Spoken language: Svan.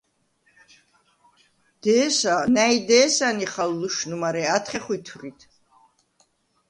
დე̄სა, ნა̈ჲ დე̄სა ნიხალ ლუშნუ, მარე ათხე ხვითვრიდ.